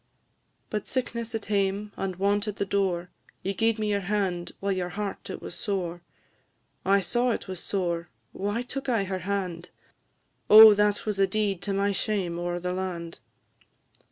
"But sickness at hame, and want at the door You gi'ed me your hand, while your heart it was sore; I saw it was sore, why took I her hand? Oh, that was a deed to my shame o'er the land!